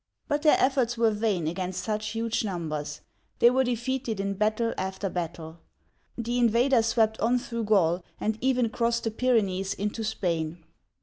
But their efforts were vain against such huge numbers ; they were defeated in battle after battle. The invaders swept on through Gaul, and even crossed the Pyrenees into Spain.